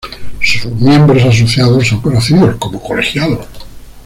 Sus miembros asociados son conocidos como colegiados.